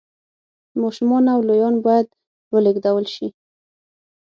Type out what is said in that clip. ماشومان او لویان باید ولېږدول شي